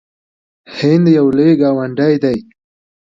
هند یو لوی ګاونډی دی.